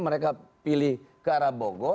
mereka pilih ke arah bogor